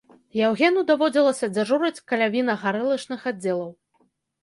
Яўгену даводзілася дзяжурыць каля вінагарэлачных аддзелаў.